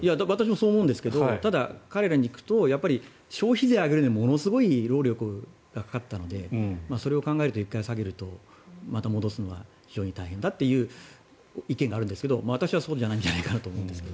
そう思うんですけどただ、彼らに聞くと消費税を上げるのにものすごい労力がかかったのでそれを考えると１回下げるとまた戻すのは非常に大変だという意見があるんですが私はそうじゃないと思うんですが。